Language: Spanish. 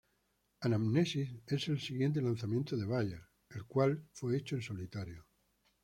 Anamnesis es el siguiente lanzamiento de Bayer, el cual fue hecho en solitario.